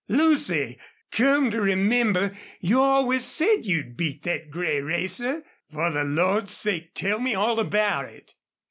Lucy, come to remember, you always said you'd beat thet gray racer.... Fer the Lord's sake tell me all about it."